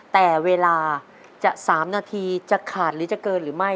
แต่เวลาจะ๓นาทีจะขาดหรือจะเกินหรือไม่